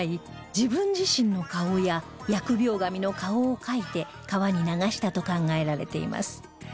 自分自身の顔や疫病神の顔を描いて川に流したと考えられています